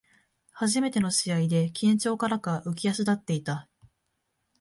初めての試合で緊張からか浮き足立っていた